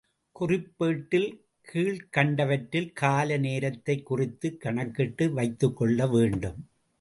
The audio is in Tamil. குறிப்பேட்டில் கீழ்க்கண்டவற்றின் கால நேரத்தைக் குறித்துக் கணக்கிட்டு வைத்துக்கொள்ள வேண்டும்.